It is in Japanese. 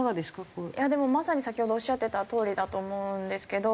でもまさに先ほどおっしゃってたとおりだと思うんですけど。